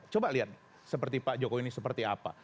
coba lihat seperti pak jokowi ini seperti apa